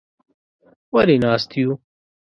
_ولې ناست يو؟